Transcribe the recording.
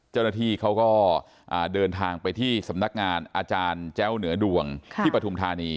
เจ้าหน้าที่เขาก็เดินทางไปที่สำนักงานอาจารย์แจ้วเหนือดวงที่ปฐุมธานี